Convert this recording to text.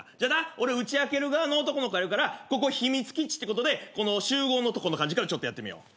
俺打ち明ける側の男の子やるからここ秘密基地ってことでこの集合のとこの感じからちょっとやってみよう。